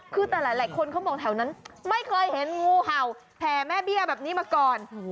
คือแต่หลายคนเขาบอกแถวนั้นไม่เคยเห็นงูเห่าแผ่แม่เบี้ยแบบนี้มาก่อน